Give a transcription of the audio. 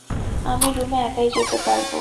আমি রুমে একাই যেতে পারব।